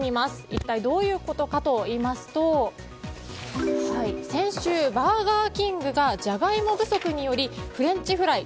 一体どういうことかといいますと先週、バーガーキングがジャガイモ不足によりフレンチフライ